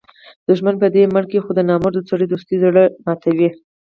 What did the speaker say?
دوښمن به دي مړ کي؛ خو د نامرده سړي دوستي زړه ماتوي.